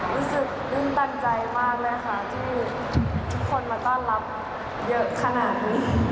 รู้สึกตื้นตันใจมากเลยค่ะที่ทุกคนมาต้อนรับเยอะขนาดนี้